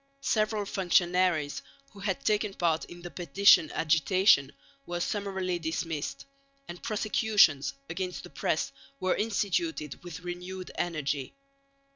Several functionaries, who had taken part in the petition agitation, were summarily dismissed; and prosecutions against the press were instituted with renewed energy.